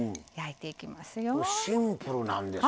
シンプルなんですね。